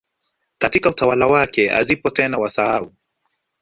katika utawala wake hazipo tena Wasahau